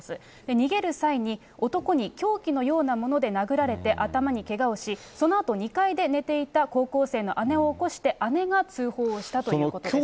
逃げる際に、男に凶器のようなもので殴られて頭にけがをし、そのあと２階で寝ていた高校生の姉を起こして、姉が通報をしたということです。